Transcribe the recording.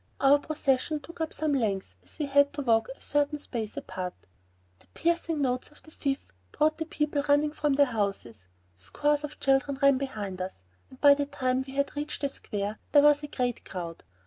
Our procession took up some length as we had to walk a certain space apart. The piercing notes of the fife brought the people running from their houses. Scores of children ran behind us, and by the time we had reached the square, there was a great crowd.